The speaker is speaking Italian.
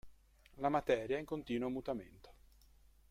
La materia è in continuo mutamento.